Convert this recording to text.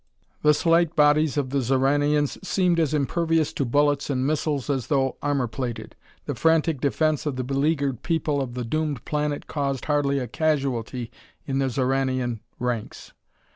The slight bodies of the Xoranians seemed as impervious to bullets and missiles as though armor plated. The frantic defense of the beleaguered people of the doomed planet caused hardly a casualty in the Xoranian ranks.